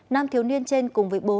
nam thiếu niên trên cùng với bố